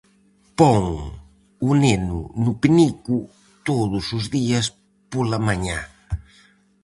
Pon o neno no penico todos os días pola mañá.